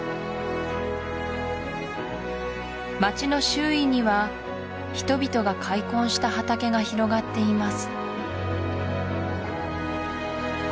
町の周囲には人々が開墾した畑が広がっています